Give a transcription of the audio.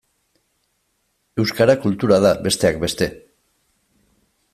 Euskara kultura da, besteak beste.